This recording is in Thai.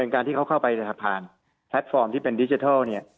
การที่เข้าไปผ่านแพลตฟอร์มที่เป็นดิจิทัล